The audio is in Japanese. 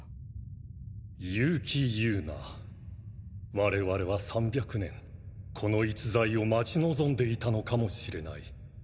我々は３００年この逸材を待ち望んでいたのかもしれない。